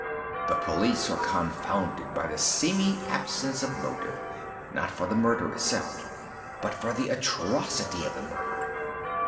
The police are confounded by the seeming absence of motive—not for the murder itself—but for the atrocity of the murder.